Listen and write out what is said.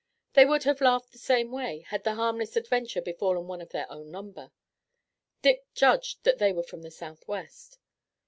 They would have laughed the same way had the harmless adventure befallen one of their own number. Dick judged that they were from the Southwest.